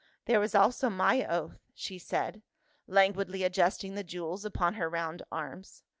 " There was also my oath," she said, languidly adjusting the jewels upon her round arms.